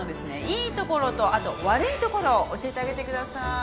いいところとあと悪いところを教えてあげてください